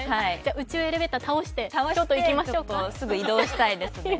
宇宙エレベーターを倒して、すぐ移動したいですね。